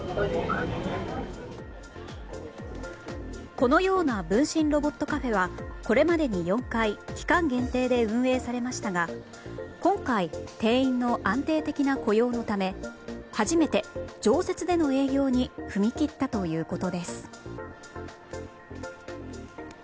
このような分身ロボットカフェはこれまでに４回期間限定で運営されましたが今回、店員の安定的な雇用のため初めて常設での営業に踏み切ったということです。